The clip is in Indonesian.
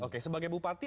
oke sebagai bupati